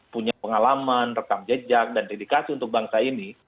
punya pengalaman rekam jejak dan dedikasi untuk bangsa ini